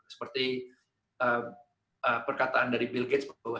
seperti perkataan dari bill gates bahwa